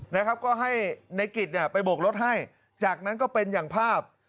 นะครับก็ให้ในกิจเนี่ยไปโบกรถให้จากนั้นก็เป็นอย่างภาพ